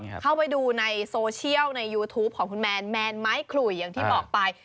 เข้าไปดูในโซเชียลในยูทูปของคุณแมนแมนไม้ขลุยอย่างที่บอกไป